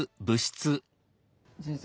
先生